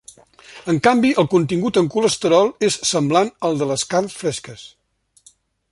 En canvi, el contingut en colesterol és semblant al de les carns fresques.